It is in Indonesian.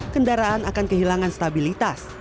kendaraan akan kehilangan stabilitas